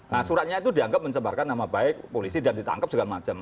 nah suratnya itu dianggap mencemarkan nama baik polisi dan ditangkap segala macam